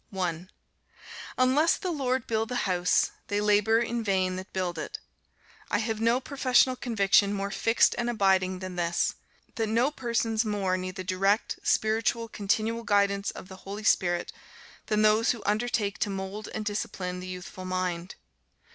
1. "Unless the Lord build the house, they labor in vain that build it." I have no professional conviction more fixed and abiding than this, that no persons more need the direct, special, continual guidance of the Holy Spirit than those who undertake to mould and discipline the youthful mind.